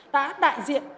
đã đại diện